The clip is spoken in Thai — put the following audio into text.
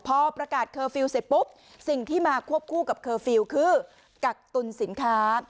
พอประกาศเคอร์ฟิลล์เสร็จปุ๊บสิ่งที่มาควบคู่กับเคอร์ฟิลล์คือกักตุลสินค้า